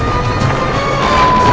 atau tentang kakaknya